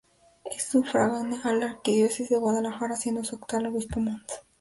Es sufragánea a la Arquidiócesis de Guadalajara siendo su actual obispo Mons.